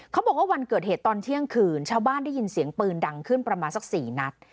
บอกว่าวันเกิดเหตุตอนเที่ยงคืนชาวบ้านได้ยินเสียงปืนดังขึ้นประมาณสัก๔นัด